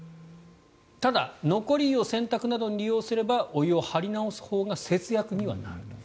ただ、残り湯を洗濯などに利用すればお湯を張り直すほうが節約にはなると。